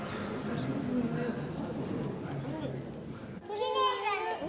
きれいだね